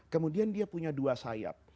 kemudian dia punya dua sayap